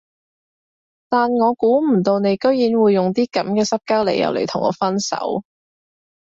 但我估唔到你居然會用啲噉嘅濕鳩理由嚟同我分手